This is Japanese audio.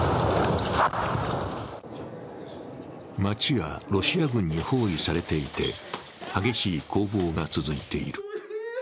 街はロシア軍に包囲されていて、激しい攻防が続いている。